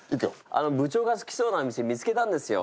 あの部長が好きそうな店見つけたんですよ。